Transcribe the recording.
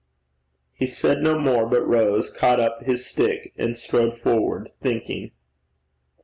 He said no more, but rose, caught up his stick, and strode forward, thinking.